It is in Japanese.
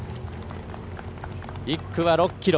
１区は６ｋｍ。